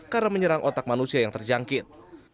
karena menyerang otak manusia yang terjangkit